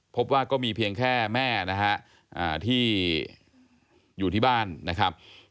พบว่าก็มีเพียงแค่แม่นะฮะที่อยู่ที่บ้านนะครับ